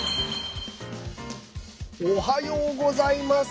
おはようございます。